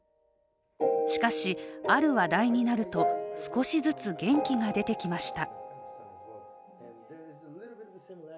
しかし、ある話題になると少しずつ元気が出てきました。